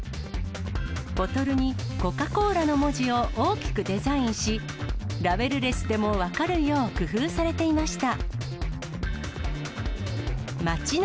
ボトルにコカ・コーラの文字を大きくデザインし、ラベルレスでも分かるよう工夫されていました。